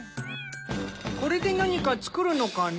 これで何か作るのかな？